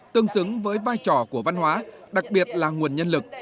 tương xứng với vai trò của văn hóa đặc biệt là nguồn nhân lực